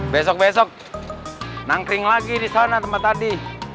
besok besok nangkring lagi di sana tempat tadi